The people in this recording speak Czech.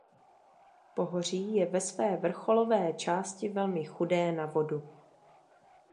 Pohoří je ve své vrcholové části velmi chudé na vodu.